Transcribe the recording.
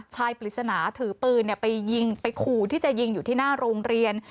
ปริศนาถือปืนไปยิงไปขู่ที่จะยิงอยู่ที่หน้าโรงเรียน